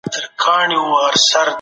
د مینې په ګټه دروغ خوندور وي.